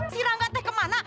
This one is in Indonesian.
si ranggat teh ke mana